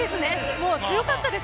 もう、強かったです。